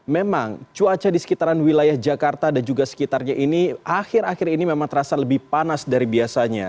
memang cuaca di sekitaran wilayah jakarta dan juga sekitarnya ini akhir akhir ini memang terasa lebih panas dari biasanya